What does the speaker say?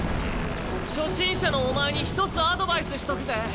初心者のお前に一つアドバイスしとくぜ。